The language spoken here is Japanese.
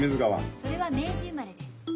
それは明治生まれです。